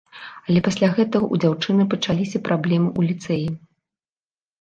Але пасля гэтага ў дзяўчыны пачаліся праблемы ў ліцэі.